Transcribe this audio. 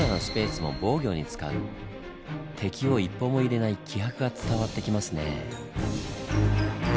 敵を一歩も入れない気迫が伝わってきますねぇ。